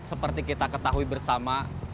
seperti kita ketahui bersama